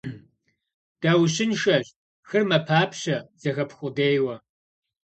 Даущыншэщ, хыр мэпапщэ, зэхэпх къудейуэ.